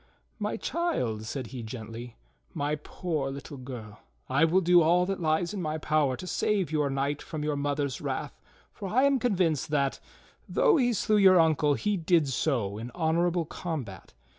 "]\Iy child," said he gently, "my poor little girl, I will do all that lies in my power to save your knight from your mother's wrath, for I am convinced that, tliough he slew your uncle, he did so in honorable combat.